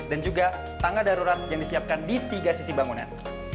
dan juga tangga darurat yang disiapkan di tiga sisi bangunan